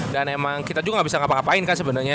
dan emang kita juga gak bisa ngapa ngapain kan sebenernya